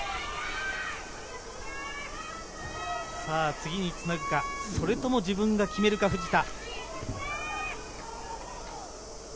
次につなげるか、それとも自分が決めるか、藤田。